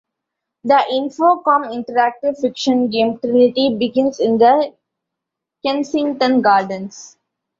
The Infocom interactive fiction game "Trinity" begins in the Kensington Gardens.